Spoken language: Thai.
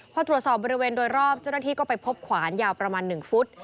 พอตรวจสอบบริเวณโดยรอบเจ้าหน้าที่ก็ไปพบขวานยาวประมาณ๑ฟุต